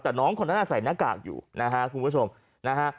แต่น้องคนนั้นใส่หน้ากากอยู่นะฮะคุณผู้ชมนะฮะ